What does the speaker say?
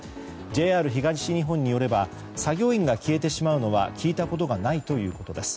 ＪＲ東日本によれば作業員が消えてしまうのは聞いたことがないということです。